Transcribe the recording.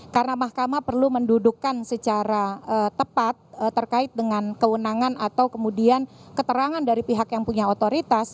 karena mahkamah perlu mendudukkan secara tepat terkait dengan kewenangan atau kemudian keterangan dari pihak yang punya otoritas